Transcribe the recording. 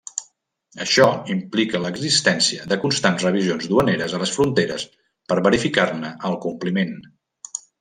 Això implica l'existència de constants revisions duaneres a les fronteres per verificar-ne el compliment.